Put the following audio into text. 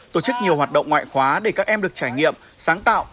tổ chức nhiều hoạt động ngoại khóa để các em được trải nghiệm sáng tạo